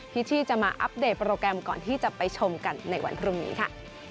ชี่จะมาอัปเดตโปรแกรมก่อนที่จะไปชมกันในวันพรุ่งนี้ค่ะ